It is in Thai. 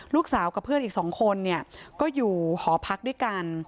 ลูกสาวกับเพื่อนอีกสองคนก็อยู่หอพักด้วยกัน